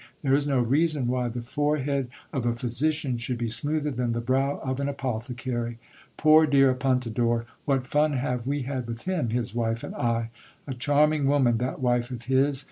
There is no reason why the forehead of a phy sician should be smoother than the brow of an apothecary. Poor dear Apun tador ! What fun have we had with him, his wife and I ! A charming woman, that wife of his